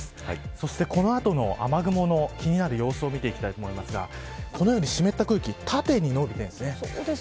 そして、この後の雨雲の気になる様子を見ていきたいと思いますがこのように湿った空気が縦に延びているんですね。